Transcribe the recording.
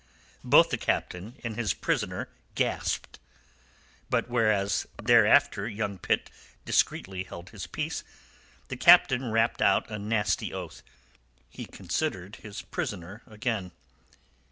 Both the Captain and his prisoner gasped. But whereas thereafter young Pitt discreetly held his peace, the Captain rapped out a nasty oath. He considered his prisoner again.